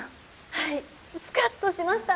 はいスカッとしました！